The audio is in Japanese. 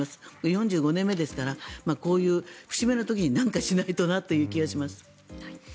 ４５年目ですからこういう節目の時に何かしないとなという気がします。